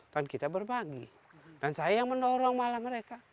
dan kita berbagi dan saya yang mendorong malam mereka